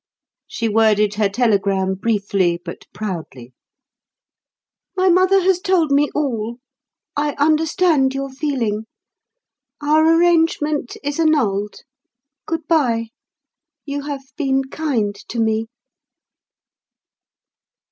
She worded her telegram briefly but proudly: "My mother has told me all. I understand your feeling. Our arrangement is annulled. Goodbye. You have been kind to me."